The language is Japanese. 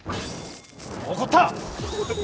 怒った！